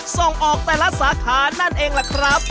ส่งออกแต่ละสาขานั่นเองล่ะครับ